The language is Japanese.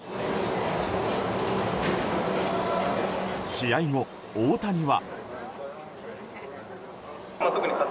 試合後、大谷は。